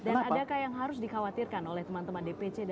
dan adakah yang harus dikhawatirkan oleh teman teman dpc dan dpd